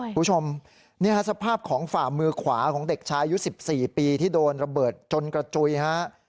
คุณผู้ชมนี่ฮะสภาพของฝ่ามือขวาของเด็กชายอายุ๑๔ปีที่โดนระเบิดจนกระจุยฮะ